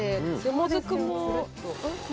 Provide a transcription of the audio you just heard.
もずくも。